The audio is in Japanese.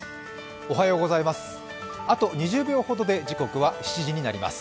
あと２０秒ほどで時刻は７時になります。